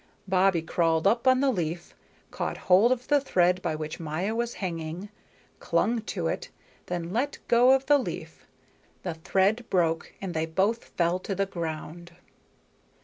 Bobbie crawled up on the leaf, caught hold of the thread by which Maya was hanging, clung to it, then let go of the leaf. The thread broke, and they both fell to the ground.